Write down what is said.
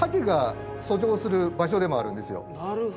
なるほど。